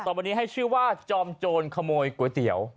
วันนี้ให้ชื่อว่าจอมโจรขโมยก๋วยเตี๋ยว